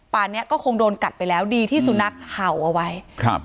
เนี้ยก็คงโดนกัดไปแล้วดีที่สุนัขเห่าเอาไว้ครับ